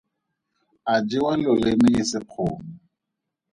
A jewa loleme e se kgomo.